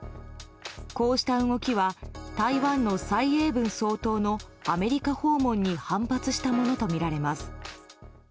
こうした動きは台湾の蔡英文総統のアメリカ訪問に反発したものとみられます。